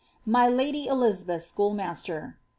my lady Elizabeth's schoolmaster.